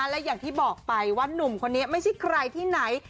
และอย่างที่บอกไปว่านุ่มคนนี้ไม่ใช่ใครที่ไหน